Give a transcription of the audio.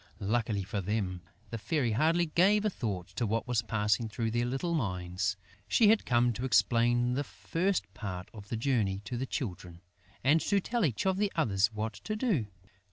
Luckily for them, the Fairy hardly gave a thought to what was passing through their little minds. She had come to explain the first part of the journey to the Children and to tell each of the others what to do.